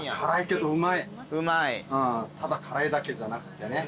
ただ辛いだけじゃなくてね。